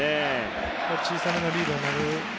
小さめのリードになる。